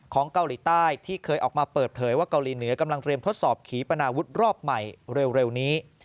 เกาหลีใต้ที่เคยออกมาเปิดเผยว่าเกาหลีเหนือกำลังเตรียมทดสอบขีปนาวุฒิรอบใหม่เร็วนี้